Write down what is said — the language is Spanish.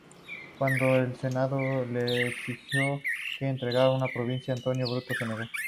Cuando el Senado le exigió que entregara su provincia a Antonio, Bruto se negó.